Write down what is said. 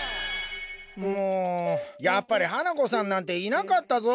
もうやっぱり花子さんなんていなかったぞ。